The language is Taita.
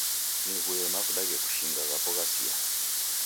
Nighuye mavuda ghekushinga ghapo ghasiya